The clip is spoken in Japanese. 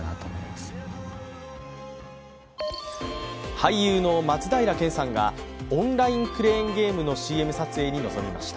俳優の松平健さんがオンラインクレーンゲームに挑みました。